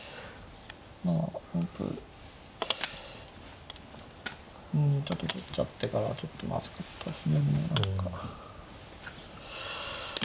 まあ本譜うんちょっと取っちゃってからちょっとまずかったですね何か。